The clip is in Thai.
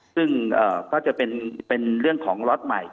ซึ่งก็จะเป็นแล้วของลอส